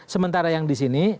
sementara yang di sini